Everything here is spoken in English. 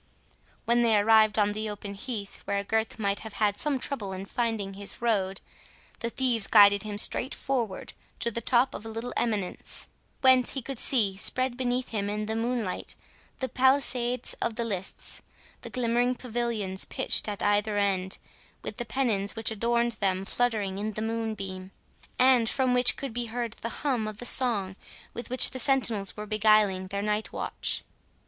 When they arrived on the open heath, where Gurth might have had some trouble in finding his road, the thieves guided him straight forward to the top of a little eminence, whence he could see, spread beneath him in the moonlight, the palisades of the lists, the glimmering pavilions pitched at either end, with the pennons which adorned them fluttering in the moonbeams, and from which could be heard the hum of the song with which the sentinels were beguiling their night watch.